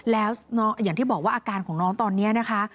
แล้วอย่างที่บอกว่าอาการของน้องตอนนี้นะคะ